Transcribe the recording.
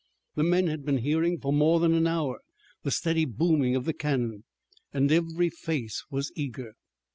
The men had been hearing for more than an hour the steady booming of the cannon, and every face was eager.